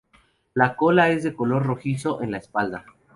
La cola es de color rojizo en la espalda.